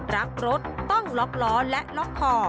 รักรถต้องล็อกล้อและล็อกคอ